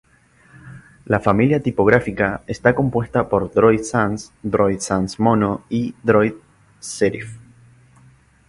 La familia tipográfica está compuesta por Droid Sans, Droid Sans Mono y Droid Serif.